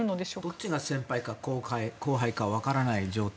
どっちか先輩か後輩か分からない状態。